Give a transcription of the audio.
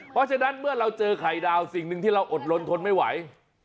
เพราะฉะนั้นเมื่อเราเจอไข่ดาวสิ่งหนึ่งที่เราอดลนทนไม่ไหว